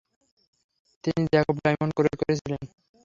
তিনি Jacob diamond ক্রয় করেছিলেন।